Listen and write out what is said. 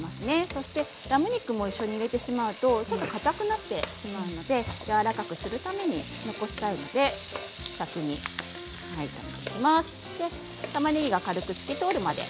そして、ラム肉も一緒に入れてしまうとちょっとかたくなってしまいますのでやわらかくするために残したいので先に野菜を炒めています。